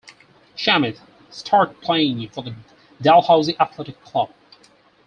Shami started playing for the Dalhousie Athletic Club.